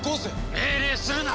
命令するな！